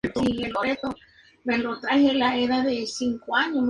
Se encuentra sólo en Borneo y las Molucas.